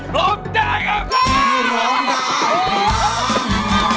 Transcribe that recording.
โรคได้โรคได้โรคได้โรคได้